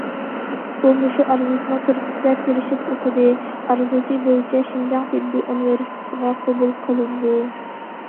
ئۇ مۇشۇ ئارزۇسىنىڭ تۈرتكىسىدە تىرىشىپ ئوقۇدى، ئارزۇسى بويىچە شىنجاڭ تېببىي ئۇنىۋېرسىتېتىغا قوبۇل قىلىندى.